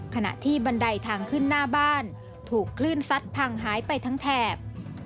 ขณะที่บันไดทางขึ้นหน้าบ้านถูกคลื่นซัดพังหายไปทั้งแถบ